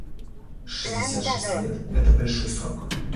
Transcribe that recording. Шестьдесят шесть лет − это большой срок.